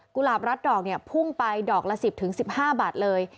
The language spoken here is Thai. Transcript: หลาบรัดดอกพุ่งไปดอกละ๑๐๑๕บาทเลย